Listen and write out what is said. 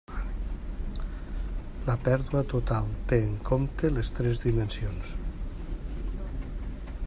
La pèrdua total té en compte les tres dimensions.